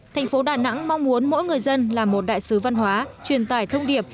thành phố đà nẵng mong muốn mỗi người dân là một đại sứ văn hóa truyền tải thông điệp